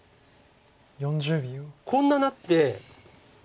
こんななって。